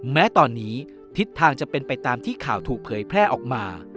แม้ตอนนี้ทิศทางจะเป็นไปตามที่ข่าวถูกเผยแพร่ออกมา